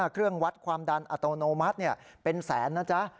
เครื่องวัดความดันอัตโนมัติเป็นแสนนะจ๊ะ